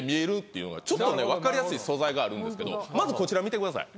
ちょっと分かりやすい素材があるんですけどまずこちら見てください